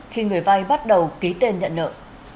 khi người vai bắt đầu ký tên nhận nợ